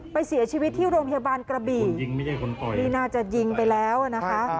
ไปเสียชีวิตที่โรงพยาบาลกระบี่นี่น่าจะยิงไปแล้วนะคะ